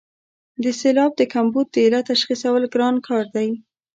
د سېلاب د کمبود د علت تشخیصول ګران کار دی.